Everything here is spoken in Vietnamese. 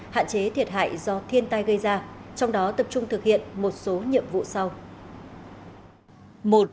hạn chế thiệt hại do thiên tai gây ra trong đó tập trung thực hiện một số nhiệm vụ sau